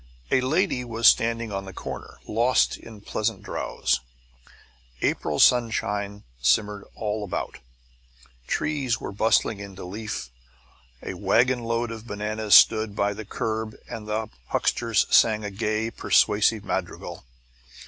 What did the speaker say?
A lady was standing on the corner, lost in pleasant drowse. April sunshine shimmered all about: trees were bustling into leaf, a wagonload of bananas stood by the curb and the huckster sang a gay, persuasive madrigal.